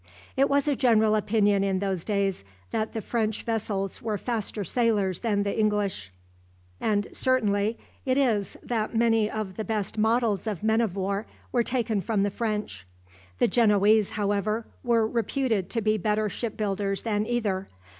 It was a general opinion in those days that the French vessels were faster sailers than the English, and certain it is that many of the best models of men of war were taken from the French. The Genoese, however, were reputed to be better ship builders than either.